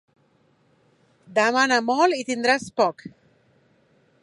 Demana molt i tindràs poc.